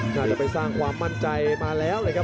น่าจะไปสร้างความมั่นใจมาแล้วเลยครับ